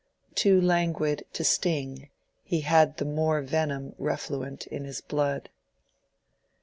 Too languid to sting, he had the more venom refluent in his blood.